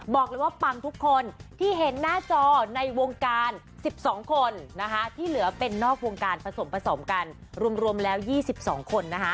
บอกเลยว่าปังทุกคนที่เห็นหน้าจอในวงการ๑๒คนนะคะที่เหลือเป็นนอกวงการผสมผสมกันรวมแล้ว๒๒คนนะคะ